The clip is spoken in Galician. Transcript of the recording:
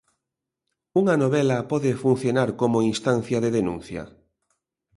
Unha novela pode funcionar como instancia de denuncia?